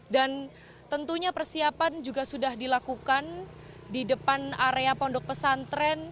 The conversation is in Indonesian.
dan tentunya persiapan juga sudah dilakukan di depan area pondok pesantren